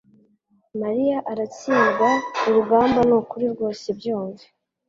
mariya aratsindwa urugamba nukuri rwose byumve